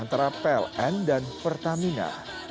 antara pln dan pertamina